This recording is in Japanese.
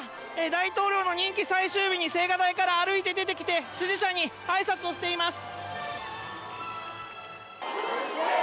大統領の任期最終日に青瓦台から歩いて出てきて、支持者にあいさつをしています。